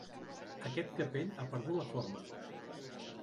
Aquest capell ha perdut la forma.